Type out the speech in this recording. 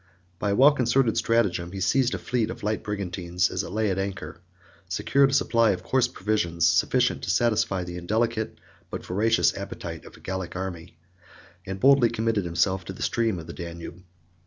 By a well concerted stratagem, he seized a fleet of light brigantines, 31 as it lay at anchor; secured a apply of coarse provisions sufficient to satisfy the indelicate, and voracious, appetite of a Gallic army; and boldly committed himself to the stream of the Danube.